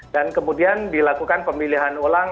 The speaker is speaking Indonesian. dan kemudian dilakukan pemilihan ulang